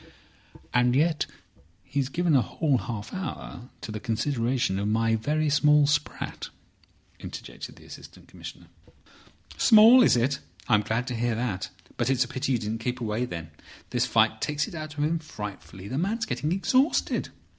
"And yet he's given a whole half hour to the consideration of my very small sprat," interjected the Assistant Commissioner. "Small! Is it? I'm glad to hear that. But it's a pity you didn't keep away, then. This fight takes it out of him frightfully. The man's getting exhausted.